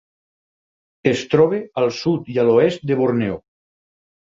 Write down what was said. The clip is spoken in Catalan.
Es troba al sud i a l'oest de Borneo.